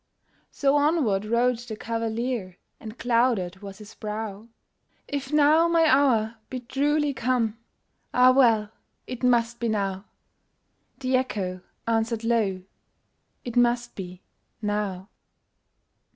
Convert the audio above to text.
So onward rode the cavalier And clouded was his brow. "If now my hour be truly come, Ah well, it must be now!" The Echo answered low, "It must be now."